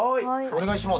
お願いします。